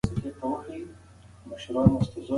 که ازادي وي نو بند نه پاتې کیږي.